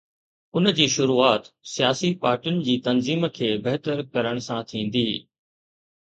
ان جي شروعات سياسي پارٽين جي تنظيم کي بهتر ڪرڻ سان ٿيندي.